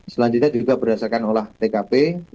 selanjutnya juga berdasarkan olah tkp